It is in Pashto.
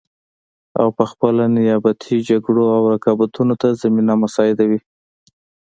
او پخپله نیابتي جګړو او رقابتونو ته زمینه مساعدوي